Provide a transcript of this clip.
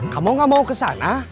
kamu gak mau ke sana